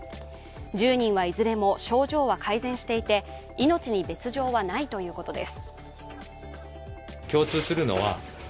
１０人は、いずれも症状は改善していて命に別状はないということです。